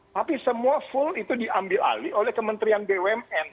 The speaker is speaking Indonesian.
tapi semua full itu diambil alih oleh kementerian bumn